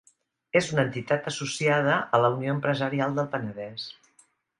És una entitat associada a la Unió Empresarial del Penedès.